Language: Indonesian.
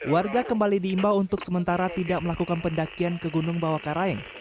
warga kembali diimbau untuk sementara tidak melakukan pendakian ke gunung bawakaraeng